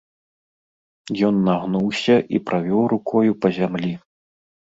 Ён нагнуўся і правёў рукою па зямлі.